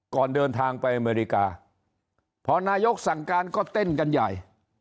ก่อนเดินทางไปอเมริกาพอนายกสั่งการก็เต้นกันใหญ่